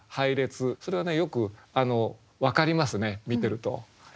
それはねよく分かりますね見てると。